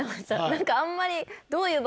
何かあんまり。